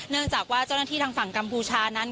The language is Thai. จากว่าเจ้าหน้าที่ทางฝั่งกัมพูชานั้น